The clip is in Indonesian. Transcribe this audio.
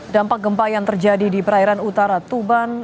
dampak gempa yang terjadi di perairan utara tuban